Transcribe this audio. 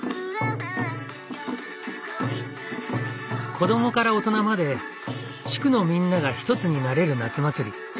子供から大人まで地区のみんなが一つになれる夏祭り。